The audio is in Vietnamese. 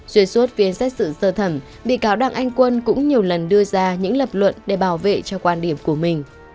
xuyên suốt phiên xét xử sơ thẩm bị cáo đảng anh quân cũng nhiều lần đưa ra những lập luận để bảo vệ cho quan điểm của mình